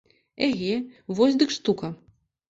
Эге, вось дык штука.